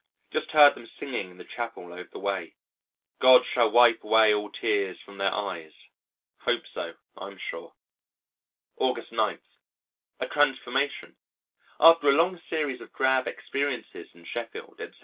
Just heard them singing in the Chapel over the way: "God shall wipe away all tears from their eyes." Hope so, I'm sure. August 9. A transformation. After a long series of drab experiences in Sheffield, etc.